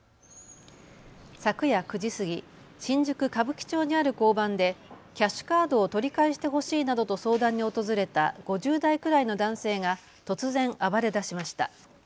昨夜９時過ぎ、新宿歌舞伎町にある交番でキャッシュカードを取り返してほしいなどと相談に訪れた５０代くらいの男性が突然、暴れだしました。